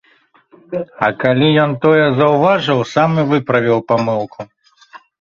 А калі ён тое заўважыў, сам і выправіў памылку.